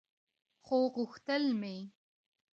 خو غوښتل مې